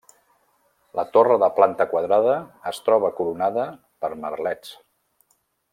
La torre de planta quadrada es troba coronada per merlets.